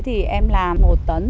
thì em làm một tấn